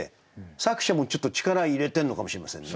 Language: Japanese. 作者もちょっと力入れてるのかもしれませんね。